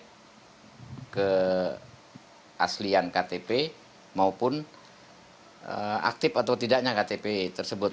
dari keaslian ktp maupun aktif atau tidaknya ktp tersebut